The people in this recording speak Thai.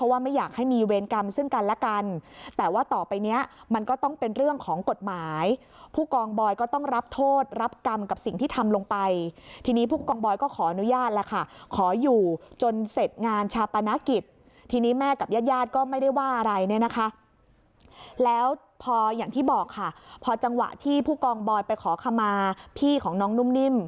ว่าไม่อยากให้มีเวรกรรมซึ่งกันและกันแต่ว่าต่อไปเนี้ยมันก็ต้องเป็นเรื่องของกฎหมายผู้กองบอยก็ต้องรับโทษรับกรรมกับสิ่งที่ทำลงไปทีนี้ผู้กองบอยก็ขออนุญาตแล้วค่ะขออยู่จนเสร็จงานชาปนกิจทีนี้แม่กับญาติญาติก็ไม่ได้ว่าอะไรเนี่ยนะคะแล้วพออย่างที่บอกค่ะพอจังหวะที่ผู้กองบอยไปขอขมาพี่ของน้องนุ่มนิ่ม